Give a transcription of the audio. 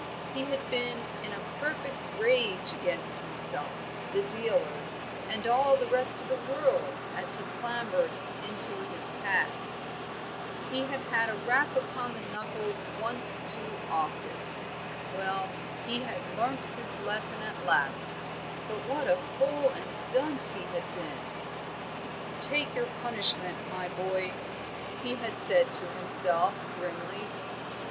He had been in a perfect rage against himself, the dealers, and all the rest of the world as he clambered into his cab. He had had a rap upon the knuckles once too often. Well, he had learnt his lesson at last; but what a fool and dunce he had been! "Take your punishment, my boy," he had said to himself, grimly.